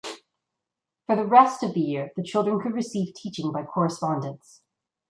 For the rest of the year the children could receive teaching by correspondence.